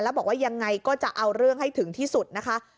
แล้วบอกว่ายังไงก็จะเอาเรื่องให้ถึงที่สุดนะคะ